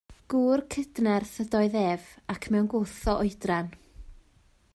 Gŵr cydnerth ydoedd ef, ac mewn gwth o oedran.